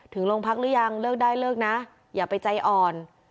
ถึงโรงพักหรือยังเลิกได้เลิกนะอย่าไปใจอ่อน